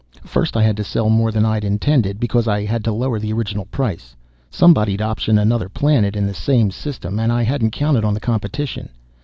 "First I had to sell more than I'd intended, because I had to lower the original price. Somebody'd optioned another planet in the same system, and I hadn't counted on the competition.